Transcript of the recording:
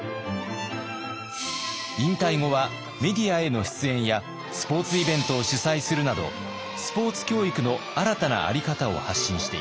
引退後はメディアへの出演やスポーツイベントを主催するなどスポーツ教育の新たなあり方を発信しています。